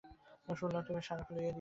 শুনলাম তুমি সাড়া ফেলে দিয়েছ।